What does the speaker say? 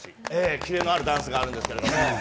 キレのあるダンスがあるんだけどね。